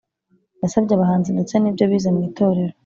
yasabye abahanzi ndetse n’ibyo bize mu itorero,